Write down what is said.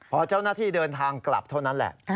พอเจ้าหน้าที่เดินทางกลับเท่านั้นแหละ